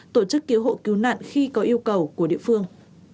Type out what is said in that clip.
tổ chức cứu hộ cứu nạn khi có yêu cầu của địa phương